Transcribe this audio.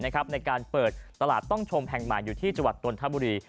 ในการเปิดตลาดต้องชมแห่งใหม่อยู่ที่จังหวัดนทบุรี